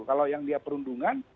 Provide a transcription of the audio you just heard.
kalau yang dia perundungan